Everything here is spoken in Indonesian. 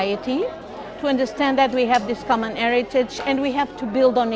untuk memahami bahwa kami memiliki kehidupan yang sama dan kita harus membangunnya